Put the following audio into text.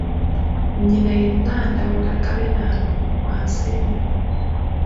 Nnyina ye Nnandawula Kabennano wa Nseenene.